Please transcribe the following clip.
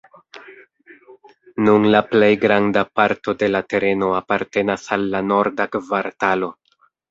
Nun la plej granda parto de la tereno apartenas al la Norda Kvartalo.